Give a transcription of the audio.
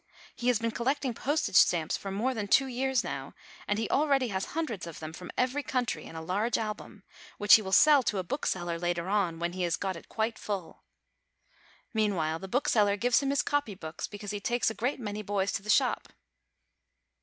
He has been collecting postage stamps for more than two years now; and he already has hundreds of them from every country, in a large album, which he will sell to a bookseller later on, 56 THE TRADER 57 when he has got it quite full. Meanwhile, the book seller gives him his copy books, because he takes a great many boys to the shop.